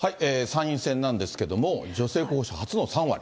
参院選なんですけども、女性候補者、初の３割。